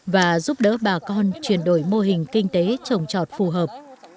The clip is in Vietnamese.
và giúp đỡ bà con chuyển đổi mô hình kinh tế trồng trọt phù hợp